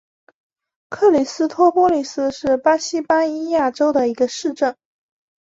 克里斯托波利斯是巴西巴伊亚州的一个市镇。